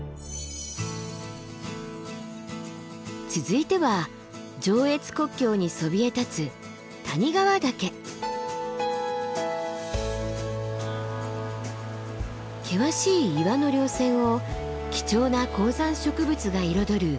続いては上越国境にそびえ立つ険しい岩の稜線を貴重な高山植物が彩る花の山です。